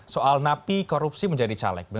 soal napi korupsi menjadi calon legislatif